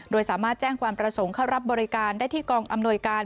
โดยสามารถแจ้งความประสงค์เข้ารับบริการได้ที่กองอำนวยการ